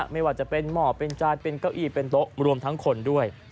ไม่ว่าจะเป็นหมอเป็นจานเป็นเก้าอี้เป็นโต๊ะรวมทั้งคนด้วย